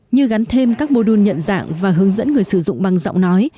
như gắn thêm các mô đun nhận dạng và hướng dẫn người sử dụng bằng giọng nói